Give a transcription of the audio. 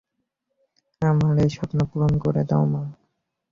আমার এই স্বপ্ন পূরণ করে দাও, মা।